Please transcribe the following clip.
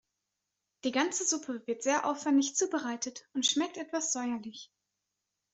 Die ganze Suppe wird sehr aufwendig zubereitet und schmeckt etwas säuerlich.